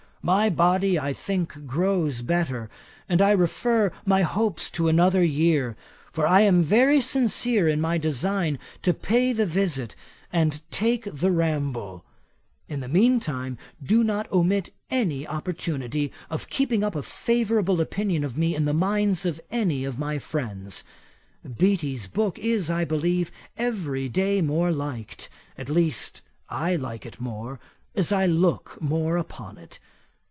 My body, I think, grows better, and I refer my hopes to another year; for I am very sincere in my design to pay the visit, and take the ramble. In the mean time, do not omit any opportunity of keeping up a favourable opinion of me in the minds of any of my friends. Beattie's book is, I believe, every day more liked; at least, I like it more, as I look more upon it.